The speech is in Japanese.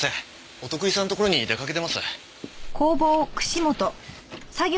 お得意さんのところに出掛けてます。